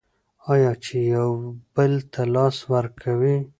آیا چې یو بل ته لاس ورکوي؟